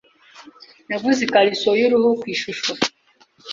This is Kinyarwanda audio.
Naguze ikariso y'uruhu ku ishusho.